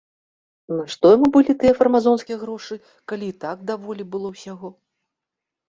Нашто яму былі тыя фармазонскія грошы, калі і так даволі было ўсяго?